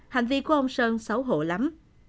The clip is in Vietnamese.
hành vi của ông sơn xấu hổ lắm